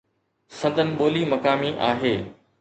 سندن ٻولي مقامي آهي.